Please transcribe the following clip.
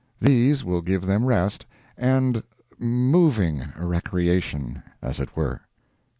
These will give them rest, and moving recreation—as it were.